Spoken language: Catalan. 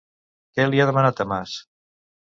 Què li ha demanat a Mas?